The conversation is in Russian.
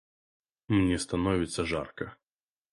Мне становится жарко.